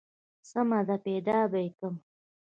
سمه ده پيدا به يې کم.